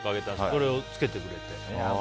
それを着けてくれて。